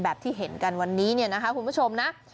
ที่เห็นกันวันนี้เนี่ยนะคะคุณผู้ชมนะ